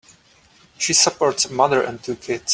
She supports a mother and two kids.